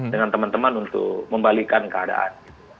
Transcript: dengan teman teman untuk membalikan keadaan